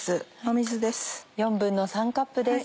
水です。